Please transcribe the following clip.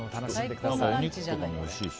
お肉とかもおいしいし。